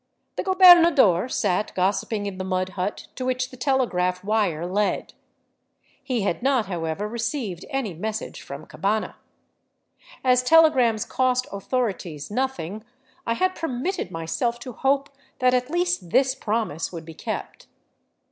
The gobernador sat gossiping in the mud hut to which the telegraph wire led. He had not, however, received any message from Cabana. As telegrams cost " authorities " nothing, I had permitted myself to hope that at least this promise would be kept.